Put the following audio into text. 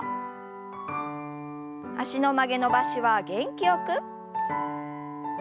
脚の曲げ伸ばしは元気よく。